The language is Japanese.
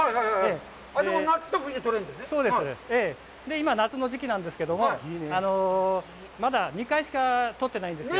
今、夏の時期なんですけども、まだ２回しか取ってないんですよ。